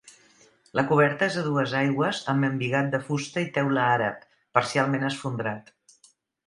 La coberta és a dues aigües amb embigat de fusta i teula àrab, parcialment esfondrat.